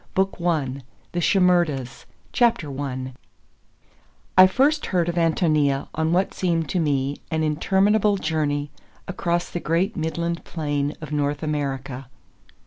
BOOK I— THE SHIMERDAS I I FIRST heard of Ántonia(1) on what seemed to me an interminable journey across the great midland plain of North America.